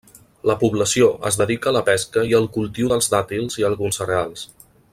La població es dedica a la pesca i al cultiu dels dàtils i alguns cereals.